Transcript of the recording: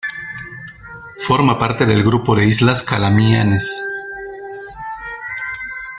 Forma parte del grupo de islas Calamianes.